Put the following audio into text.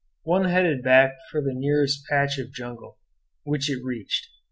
One headed back for the nearest patch of jungle, which it reached.